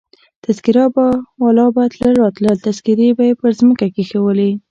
تذکیره والا به تلل او راتلل، تذکیرې يې پر مځکه کښېښولې.